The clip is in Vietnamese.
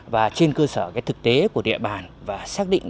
và trên cơ sở thực tế của địa bàn và xác định